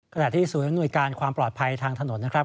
ขณะที่ศูนย์อำนวยการความปลอดภัยทางถนนนะครับ